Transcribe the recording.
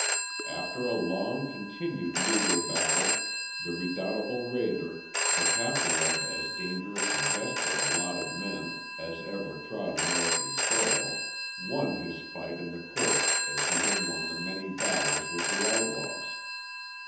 After a long continued legal battle the redoubtable raider, the captor of as dangerous and desperate a lot of men as ever trod American soil, won his fight in the courts as he had won the many battles with the outlaws.